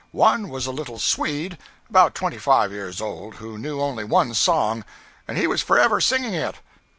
One was a little Swede, about twenty five years old, who knew only one song, and he was forever singing it.